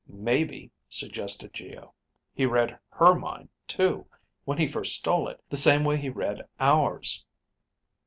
"Maybe," suggested Geo, "he read her mind too, when he first stole it, the same way he read ours."